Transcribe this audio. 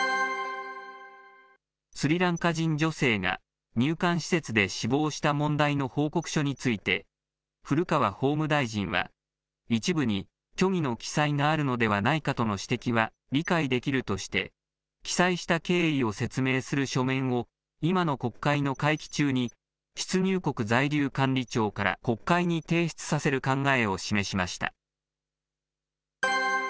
スリランカ人女性が入管施設で死亡した問題の報告書について、古川法務大臣は、一部に虚偽の記載があるのではないかとの指摘は理解できるとして、記載した経緯を説明する書面を、今の国会の会期中に、出入国在留管理庁から国会に提出させる考えを示しました。